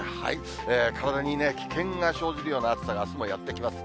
体に危険が生じるような暑さがあすもやって来ます。